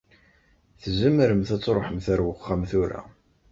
Tzemremt ad tṛuḥemt ar wexxam tura.